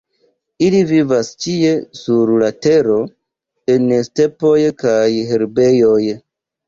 Ili vivas ĉie sur la Tero, en stepoj kaj herbejoj.